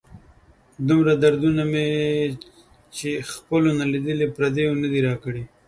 دومره دردونه مې چې خپلو نه لیدلي، پردیو نه دي را کړي.